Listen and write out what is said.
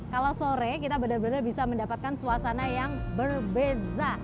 kalau sore kita benar benar bisa mendapatkan suasana yang berbeza